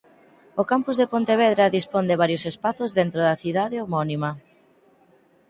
O Campus de Pontevedra dispón de varios espazos dentro da cidade homónima.